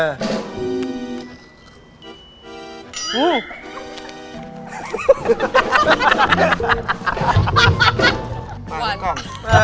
อ่ะน้ำมันขอบ